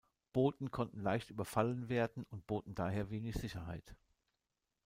Boten konnten leicht überfallen werden und boten daher wenig Sicherheit.